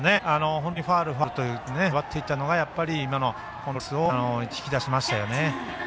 本当にファウル、ファウルという粘っていったのが今のコントロールミスを引き出しましたよね。